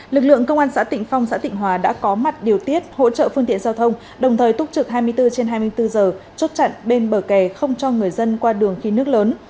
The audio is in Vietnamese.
lực lượng công an xã tịnh phong xã tịnh hòa đã có mặt điều tiết hỗ trợ phương tiện giao thông đồng thời túc trực hai mươi bốn trên hai mươi bốn giờ chốt chặn bên bờ kè không cho người dân qua đường khi nước lớn